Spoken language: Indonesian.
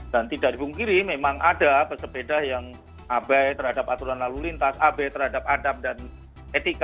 dan tidak dipungkiri memang ada pesepeda yang abai terhadap aturan lalu lintas abai terhadap adab dan etika